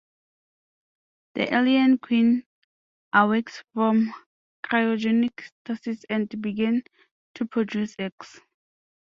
The Alien Queen awakes from cryogenic stasis and begins to produce eggs.